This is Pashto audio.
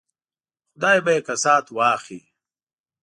خدای به یې کسات واخلي.